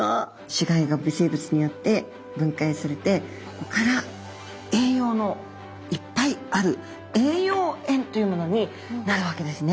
死骸が微生物によって分解されてここから栄養のいっぱいある栄養塩というものになるわけですね。